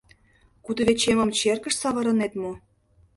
— Кудывечемым черкыш савырынет мо?